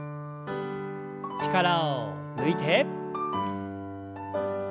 力を抜いて。